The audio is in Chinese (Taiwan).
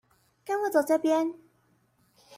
跟我走這邊